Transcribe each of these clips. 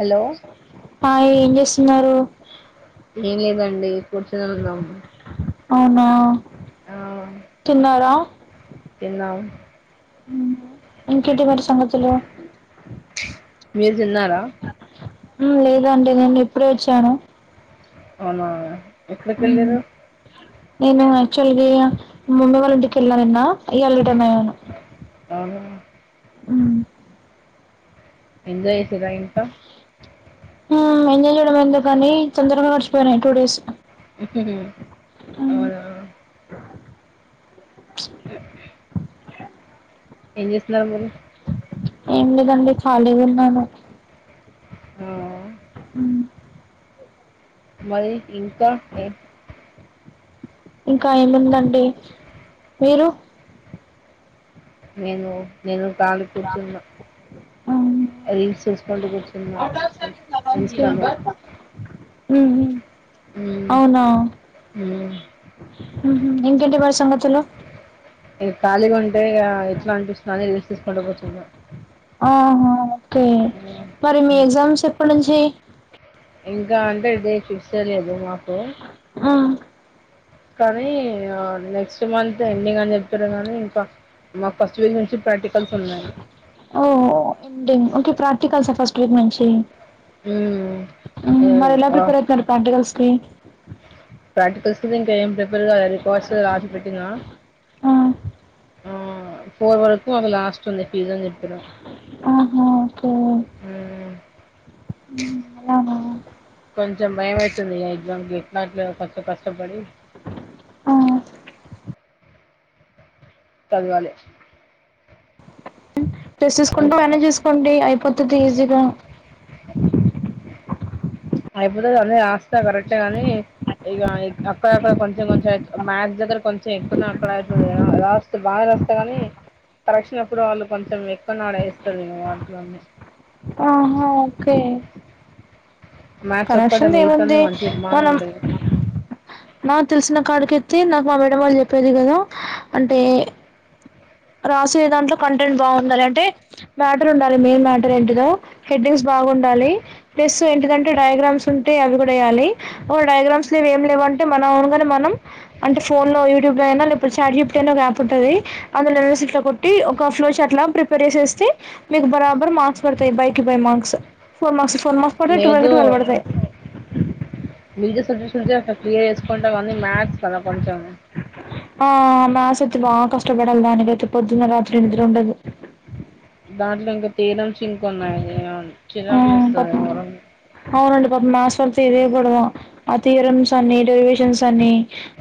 Hello సరే [inaudible] హ ఏం చేస్తున్నారు ఏం లేదండి కూర్చొని ఉన్నాం అవునా తిన్నారా తిన్నాం హ్మ్ ఇంకేంటి మరి సంగతులు మీరు తిన్నారా లేదండి నేను ఇప్పుడే వచ్చాను అవునా ఎక్కడకి ఉమ్, వెళ్ళరు నేను యాక్చువలి మమ్మి వాళ్ళ ఇంటికి వెళ్ళా నిన్న ఇయళ రిటర్న్ అయ్యాను అవునా హ్మ్ ఎంజాయ్ చేసేదా ఇంతా ఎంజాయ్ చేయడం ఎందుకాని తొందరగా గడిచిపోయినాయి టూ డేస్ ఆ ఉమ్, ఏం చేస్తున్నారు మీరు ఏం లేదండి ఖాలీగా ఉన్నాను హ్మ మ్మ్ మరి ఇంకా ఏ ఇంకా ఏముందండి మీరు నేను నేను కలిగ్గా కూర్చున్నా ఉమ్, రీల్స్ చూసుకూంటు కూర్చున్నా ఇన్స్టాలో మ్మ్ మ్మ్ అవునా మ్మ్ మ్మ్ హ్మ్ ఇంకేంటి మరి సంగతులు అంటే ఎట్లా అనిపిస్తుంది అని రీల్స్ చూసుకుంట కూర్చున్న ఆహా ఒకే మరి మీ ఉమ్. ఎగ్జామ్స్ పనులు చే ఇంకా అంటే ఇదే చూసేలేదు మాకు ఆ కానీ నెక్స్ట్ మంత్ ఎండింగ్ అని చెప్తారు కానీ ఇంకా మాకు ఫస్ట్ వీక్ నుంచి ప్రాక్టికల్స్ ఉన్నాయి ఓ [unintelligible] ఇంకా ప్రాక్టికల్స్ ఫస్ట్ కి మంచి మ్మ్ మ్మ్ మరి ఏ- ఎలా ఆ ప్రిపేర్ అయ్యుతున్నారు ప్రాక్టికల్స్ హ్మ్ ప్రాక్టికల్స్ కి ఇంకా ఏం ప్రిపేర్ కాలే రికార్డ్స్ రాసి పెట్టినా ఆ ఆ పోర్వరత్ ఒక లాస్ట్ ఉంది ఫీజ్ అని చెప్పినా ఆహా ఓకే అలానా కొంచెం భయం అయితుంది ఎగ్జామ్కి ఎట్లాట్ కొంచెం కష్టపడి ఆ చదవాలి ఉ టెస్ట్ చేసుకుంటూ ఇంకా మనేజ్ చేసుకోండి కొత్త తీజగా అయిపోతే అన్నీ రాస్తా కరెకి కానీ ఇక అక్కడక్కడ కొంచెం కొంచెం అ మ్యాథ్స్ దగ్గర కొంచెం ఎక్కున అక్కడ అవుతుంది రాస్త బాగా రాస్తా కానీ కరెక్షన్ప్పుడు వాళ్ళు కొంచెం ఎక్కున్నా ఆడేస్తారు వాటిలో ఆహా ఓకే మ్యా చె ఒప్పట కరెక్షన్ది మతోంది ఏముంది మంచిర్మానం ఉండదు ఆ తెలిసిన కాడికి ఎత్తే నాకు మా మేడ వాళ్ళు చూపింది కదా అంటే రాసయే దాంట్లో కంటెంట్ బాగుండాలి అంటే మ్యాటర్ ఉండాలి మెయిన్ మ్యాటర్ ఏంటినే హెడ్డింగ్స్ బాగుండాలి ప్లస్ ఏంటిదంటే డయాగ్రామ్స్ ఉంటే అవి కూడా వేయ్యాలి ఒక డయాగ్రామ్స్ లోవ ఏమి లేవు అంటే మనం అవునుగానే మనం అంటే ఫోన్ లో యూట్యూబ్ లో అయినా లేపో చా చెప్ట్ అయినా గయాప్ ఉంటంది అందులో ఎ సీట్ లో కొట్టి ఒక ఫ్లోష అట్లా ప్రిపేర్ చేసేస్తే మీకు బరాబర్ మార్క్స్ పడతాయి బైకిి by marks four marks for marks కూడా ట్వల్కి ట్వల్ పడుతయి మీజ సబ్జెక్ట్స్ ఉంచి అ క్లియర్ చేసుకుంటా కానీ మ్యాథస్ కదా కొంచెం ఆ మాసతి బాగా కష్టపడాలి దానిక అయితే పొద్దున్న రాత్రి ఎది ఉండదు దాంట్లో ఇంకా తీరం సి ఇంక్ ఉన్నాయి చిరాకు లేస్తుంది మరే పా మాయాథస్ వల్ తెరేయడడం ఆ థియరమ్స్ అన్ని డెరివేషన్స్ అని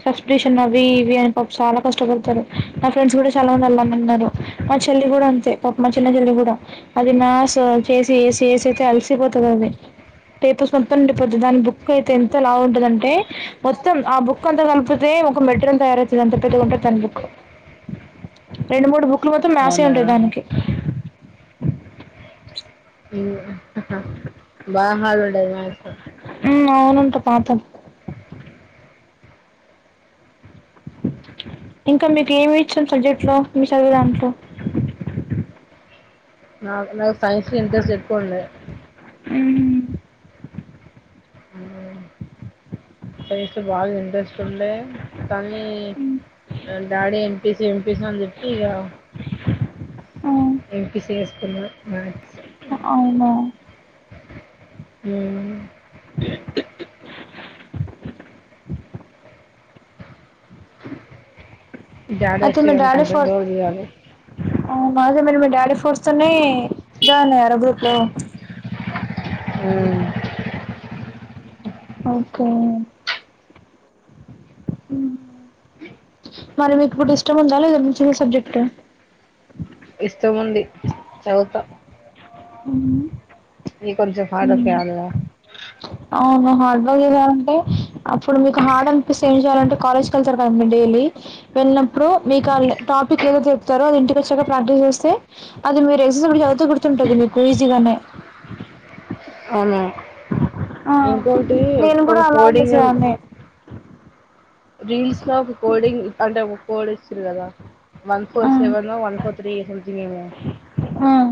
సబ్సన్ అవి ఇవి అని పాప చాలా కష్టపడతారు నా ఫ్రెండ్స్ కూడా చాలా మంది వెళ్ళమన్నారు మా చెల్లి కూడా అంతే పాప మా చిన్న చెల్లి కూడా అది మా్యాస్ చేసి అయితే అలిసిపోతుంది అది టేపర్స్ మొత్తం నిండిపోతు దాని బుక్ అయితే ఎంత లా ఉంటందింటే మొత్తం ఆ బుక్ అంత కలిపితే ఒక మెటీరిల్ తయతుంది అ పెద్దగాందిా బు రండు మ కుపోతే మ్యాసే అవునా ఉంటది దానికి బాగుపడి మనం అవునుంట పాత ఇంకా మీకు ఏమి ఇచ్చిన సబ్జెక్ట్ లో మీ చదువే దాంట్లో అ నాకు సైన్స్ లో ఇంట్రెస్ట్ ఎక్కువుండే ఉమ్ సైస్లో బాగా ఇంట్రెస్ట్ ఉండే కానీ డాడీ ఎంపీసీ ఎంపిసి అని చెప్పి ఇక ఎంపీ సిఎస్ ఉండదు మ్యాథ్స్ అవునా ఉమ్ డాడీ వచ్చిర్ర అనుకుంటా డోర్ తీయాలి ఆ ఐతే మరి మీ డాడీ ఫోర్స్తోనే జా నాయర గ్రూప్ లో ఓకే మరి మీకు ఇప్పుడు ఇష్టం ఉందా లేద చిన్న సబ్జెక్ట్ ఇష్టముంది చదువుతా ఉ నీ కొంచం పాడకేయల్నే అ అవును హార్డ్ వర్క్ చేయాలంటే అప్పుడు మీకు హార్డ్ అనిపిస్తే ఏం చేయాలంటే కాలేజ్కి వెళ్తారు కదం డైలీ వెన్న ప్పుడు మీకు టాపిక్ ఏద చెప్తారో అ ఇంటికిచ్చాక ప్రాక్టీస్ చేస్తే అది మీరు ఎ చదుతూ గుర్తుంటది మీకు ఈజీగానే అవును ఎంకాటి నేను కూడా అలా హోడింగ్ చేసేదాన్ని రీల్స్ లో ఒక కోడింగ్ అంటే ఒక కోడ్ వచ్చింది కదా వన్ ఆ, ఫోర్ సెవెన్ వన్ ఫోర్ త సజనీ మ ఉమ్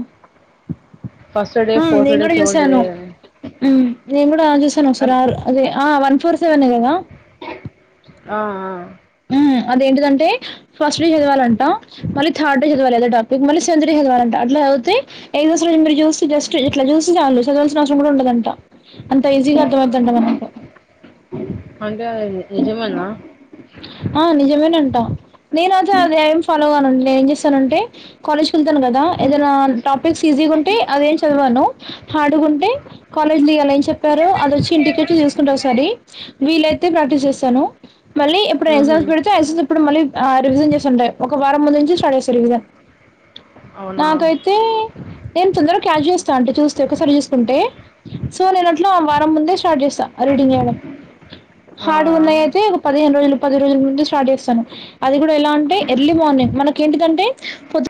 ఫస్ట్ డే ఫోర్త్ నేను డే కూడా సెవెంత్ చూసాను డే నేను కూడా చూసాను ఒకసారి ఆరు అదే వన్ ఫోర్ సెవెనే కదా ఆ ఆ అదేంటిదంటే ఫస్ట్ డే చదవాలంట మళ్ళ థర్ డే చదవాలి అదే టాపిక్ మళ్ళీ సెకె డర్ చదవాలంట అట్లాదితేఐదుస మీరు చూ జస్ట్ ఇట్లా చూ చాలు చదవాలసిన అవసరం కూడా ఉండదంట అంత ఈజీగా అ త వతుంట మనకు నిజమనా ఆ నిజమేనంటా నేను అజా అ ఏం చేస్తానుంటే కాలేజ్కి వెళ్తాను కదా ఏదైనా టాపిక్స్ ఈజీ ఉంటే అదేం చదివాను హార్డ్గా ఉంటే కాలేజ్ దియాల చె ప్పారు అది వచ్చి ఇంటికొచ్చి చూసుకుంటా ఒసారి వీలైత్ తే ప్రాక్టీస్ జేసాను మళ్ళీ ఇప్పుడో ఎగ్జామ్స్ మ్మ్హ్మ్. పెడితే ఎజన్సడు మళ్ళీ ఆ రివిజన్ చేసింటాయి ఒక వారం ముందు నుంచి స్టార్ట్ చేస్తా రివిజన్ అవునా నాకైతే నేన్ తొందరక్ క్యాజస్ తంటూ చూస్తే ఒకసారి చూసుకుంటే సో నేనట్ల వారం ముందే స్టార్ట్ చేస్తా రీడింగ్ చేయడం హార్డు ఆ ఉన్నాయైతే రోజులు పది రోజుల ముందు స్టార్ట్ చేస్తాను అది కూడా ఎలా అంటే ఎర్లీ మార్నింగ్ మనక ఏంటిదంటే